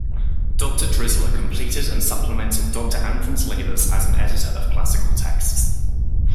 Doctor Drisler completed and supplemented Doctor Anthon's labors as an editor of classical texts.